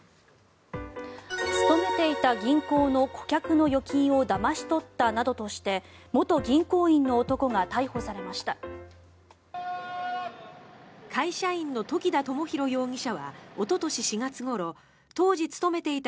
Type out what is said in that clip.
務めていた銀行の顧客の預金をだまし取ったなどとして元銀行員の男が逮捕されました。